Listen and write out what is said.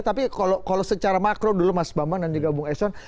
tapi kalau secara makro dulu mas bambang dan juga bung eson